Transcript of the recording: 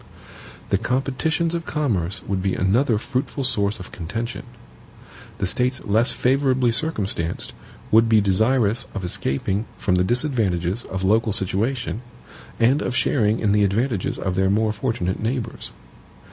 The competitions of commerce would be another fruitful source of contention. The States less favorably circumstanced would be desirous of escaping from the disadvantages of local situation, and of sharing in the advantages of their more fortunate neighbors.